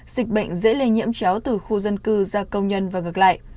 dịch bệnh dễ lây nhiễm chéo từ khu dân cư ra công nhân và ngược lại